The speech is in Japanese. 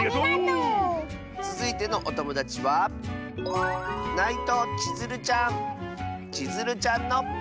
つづいてのおともだちはちづるちゃんの。